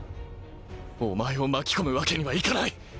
お前を巻き込むわけにはいかない。